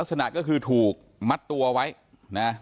ลักษณะก็คือถูกมัดตัวไว้นะ